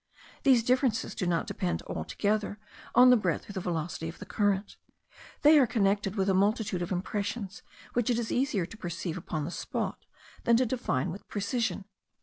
These differences do not depend altogether on the breadth or the velocity of the current; they are connected with a multitude of impressions which it is easier to perceive upon the spot than to define with precision.